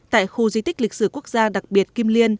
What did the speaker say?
tại khu di tích lịch sử quốc gia đặc biệt kim liên